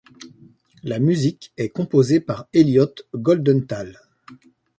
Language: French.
La musique est composée par Elliot Goldenthal.